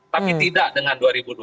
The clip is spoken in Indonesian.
tapi tidak dengan dua ribu dua puluh